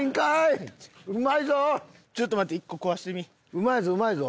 うまいぞうまいぞ。